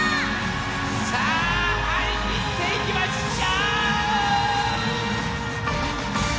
さあはりきっていきましょう！